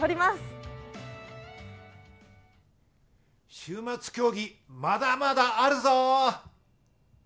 週末競技まだまだあるぞ！